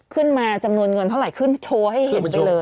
จำนวนเงินเท่าไหร่ขึ้นโชว์ให้เห็นไปเลย